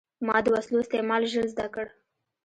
ما د وسلو استعمال ژر زده کړ.